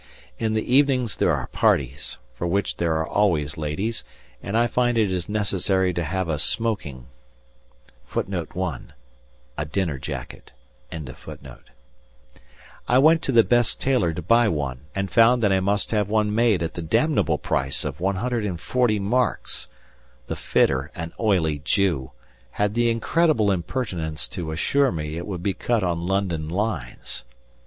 In the evenings there are parties, for which there are always ladies, and I find it is necessary to have a "smoking." I went to the best tailor to buy one, and found that I must have one made at the damnable price of 140 marks; the fitter, an oily Jew, had the incredible impertinence to assure me it would be cut on London lines!